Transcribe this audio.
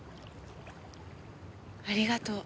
ありがとう。